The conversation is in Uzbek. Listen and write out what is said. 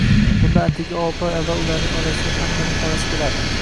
Bundan atigi olti oy avval ularning oilasiga hammaning havasi kelar edi